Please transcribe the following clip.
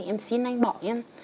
em xin anh bỏ em